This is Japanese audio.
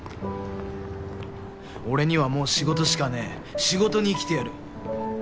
俺にはもう仕事しかねぇ仕事に生きてやる。